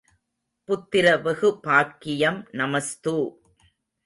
புத்திரவெகு பாக்கியம் நமஸ்து.